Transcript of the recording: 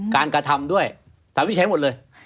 การกระทำด้วยศาลไม่ได้ใช้หมดเลย